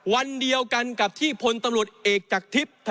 วันเดียวกันกับที่พลตำรวจเอกจากทิพย์